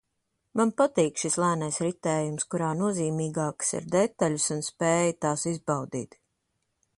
Man patīk šis lēnais ritējums, kurā nozīmīgākas ir detaļas un spēja tās izbaudīt